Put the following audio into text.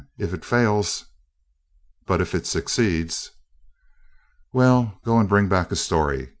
If it fails " "But if it succeeds?" "Well, go and bring back a story.